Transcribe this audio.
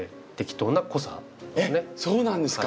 えっそうなんですか。